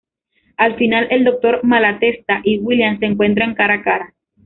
Al final, el Doctor Malatesta y William se encuentran cara a cara.